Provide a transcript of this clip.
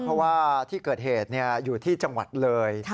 เพราะว่าที่เกิดเหตุอยู่ที่จังหวัดเลย